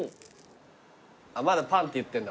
まだパンって言ってんだ。